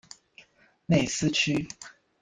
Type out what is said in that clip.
内斯屈。